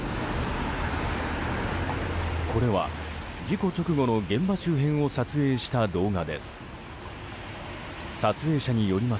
これは、事故直後の現場周辺を撮影した動画です。